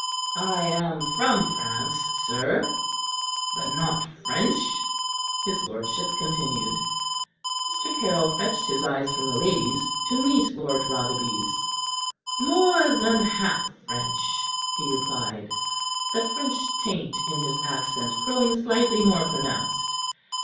"I am from France, sir." "But not French?" his lordship continued. Mr. Caryll fetched his eyes from the lady's to meet Lord Rotherby's. "More than half French," he replied, the French taint in his accent growing slightly more pronounced.